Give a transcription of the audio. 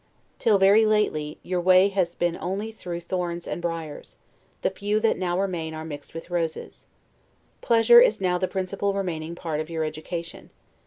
Till very lately, your way has been only through thorns and briars; the few that now remain are mixed with roses. Pleasure is now the principal remaining part of your education.